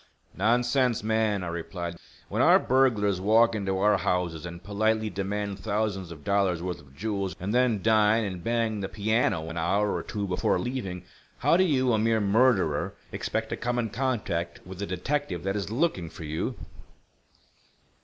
"Nonsense, man," I replied. "When our burglars walk into our houses and politely demand, thousands of dollars' worth of jewels, and then dine and bang the piano an hour or two before leaving, how do you, a mere murderer, expect to come in contact with the detective that is looking for you?"